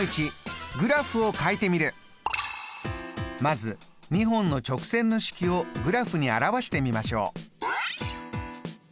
まず２本の直線の式をグラフに表してみましょう。